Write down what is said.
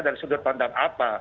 dari sudut pandang apa